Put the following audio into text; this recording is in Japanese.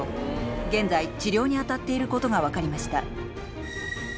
現在治療に当たっていることが分かりました。